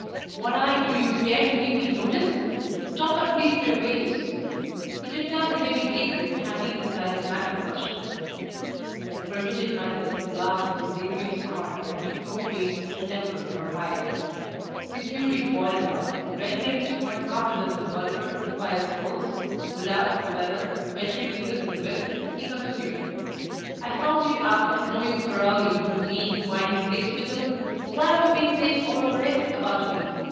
"What! do you dare to give me notice? Stop at least for your wages." He took down the heavy gig whip hanging beside his mackintosh. I permitted myself to laugh with a degree of scorn I took no pains to temper or hide. His fury boiled up, and when he had sworn half a dozen vulgar, impious oaths, without, however, venturing to lift the whip, he continued: "I've found you out and know you thoroughly, you mean, whining lickspittle! What have you been saying all over X about me?